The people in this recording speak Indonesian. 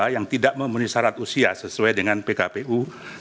yang tidak memenuhi syarat usia sesuai dengan pkpu sembilan belas dua ribu dua puluh tiga